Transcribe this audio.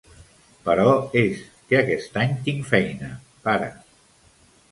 Però és que aquest any tinc feina, pare.